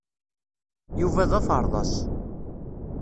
Yuba d aferḍas.